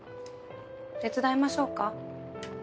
手伝いましょうか？